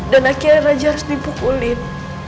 dan akhirnya raja harus dipukulin